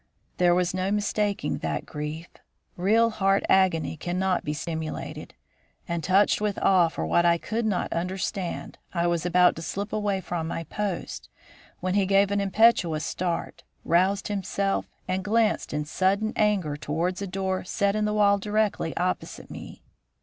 There was no mistaking that grief. Real heart agony cannot be simulated; and, touched with awe for what I could not understand, I was about to slip away from my post, when he gave an impetuous start, roused himself, and glanced in sudden anger towards a door set in the wall directly opposite me.